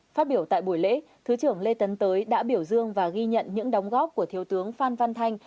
phát biểu tại buổi lễ thứ trưởng lê tấn tới đã biểu dương và ghi nhận những đóng góp của thiếu tướng phan văn thanh